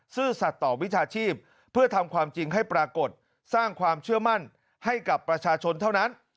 ซื่อสัตว์ต่อวิชาชีพเพื่อทำความจริงให้ปรากฏสร้างความเชื่อมั่นให้กับประชาชนเท่านั้น